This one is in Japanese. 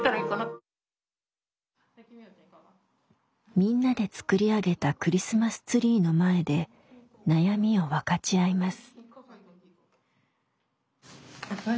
みんなで作り上げたクリスマスツリーの前で悩みを分かち合います。